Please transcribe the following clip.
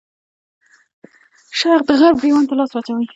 شرق د غرب ګرېوان ته لاس واچوي.